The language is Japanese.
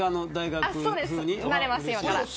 なれます、今から。